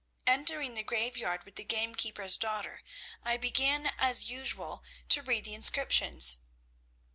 "Entering the graveyard with the gamekeeper's daughter, I began as usual to read the inscriptions.